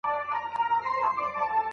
جګړې وروسته هیواد آرام شو